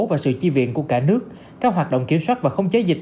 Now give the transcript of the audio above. và sự chi viện của cả nước các hoạt động kiểm soát và không chế dịch